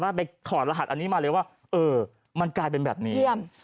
ไปถอดรหัสอันนี้มาเลยว่าเออมันกลายเป็นแบบนี้เยี่ยม